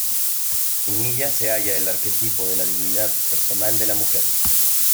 En ella se halla el arquetipo de la dignidad personal de la mujer.